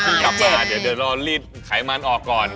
เพิ่งขายเจ็บกลับมาเดี๋ยวเรารีดไขมันออกก่อน